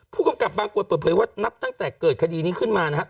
ผู้กำกับบางกวดเปิดเผยว่านับตั้งแต่เกิดคดีนี้ขึ้นมานะครับ